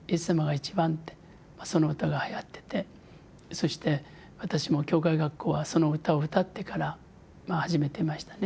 そして私も教会学校はその歌を歌ってから始めてましたね。